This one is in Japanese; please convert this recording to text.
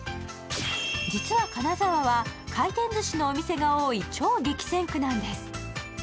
実は金沢は回転寿司のお店が多い超激戦区なんです